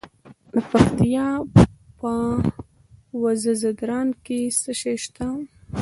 د پکتیا په وزه ځدراڼ کې څه شی شته؟